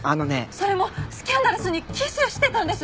それもスキャンダラスにキスしてたんです！